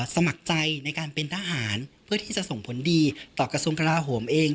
สมัครใจในการเป็นทหารเพื่อที่จะส่งผลดีต่อกระทรวงกราโหมเอง